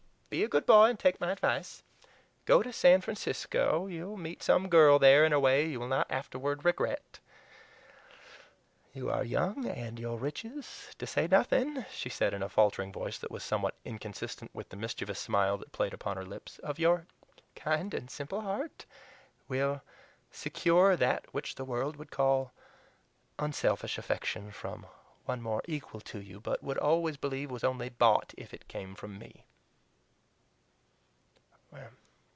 Be a good boy and take my advice. Go to San Francisco. You will meet some girl there in a way you will not afterward regret. You are young, and your riches, to say nothing," she added in a faltering voice that was somewhat inconsistent with the mischievous smile that played upon her lips, "of your kind and simple heart, will secure that which the world would call unselfish affection from one more equal to you, but would always believe was only BOUGHT if it came from me."